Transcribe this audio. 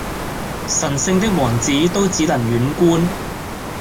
神聖的王子都只能遠觀！